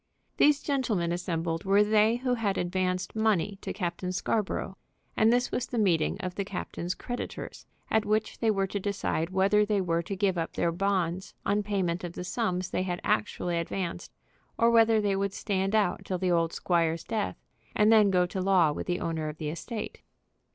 These gentlemen assembled were they who had advanced money to Captain Scarborough, and this was the meeting of the captain's creditors, at which they were to decide whether they were to give up their bonds on payment of the sums they had actually advanced, or whether they would stand out till the old squire's death, and then go to law with the owner of the estate.